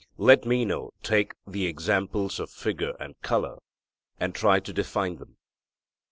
Let Meno take the examples of figure and colour, and try to define them.'